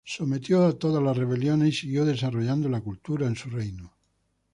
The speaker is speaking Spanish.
Él sometió todas las rebeliones y siguió desarrollando la cultura en su reino.